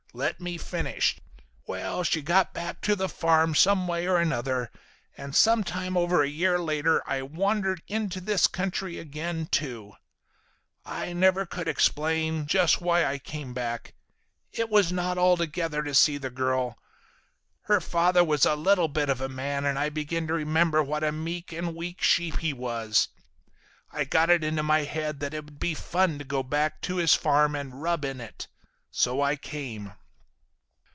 Let me finish. Well, she got back to the farm some way or another, and something over a year later I wandered into this country again too. I never could explain just why I came back. It was not altogether to see the girl. Her father was a little bit of a man and I began to remember what a meek and weak sheep he was. I got it into my head that it'd be fun to go back to his farm and rub it in. So I came.